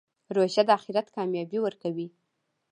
روژه د آخرت کامیابي ورکوي.